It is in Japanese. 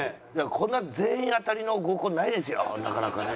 こんな全員当たりの合コンないですよなかなかね。